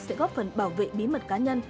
sẽ góp phần bảo vệ bí mật cá nhân